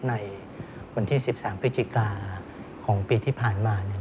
ในวันที่๑๓พฤศจิกาของปีที่ผ่านมา